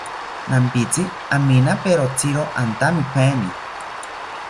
Nampitzi aminaperotziro antamipaeni